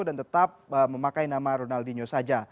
dan tetap memakai nama ronaldinho saja